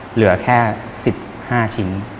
เหลือแค่๑๕ชิ้น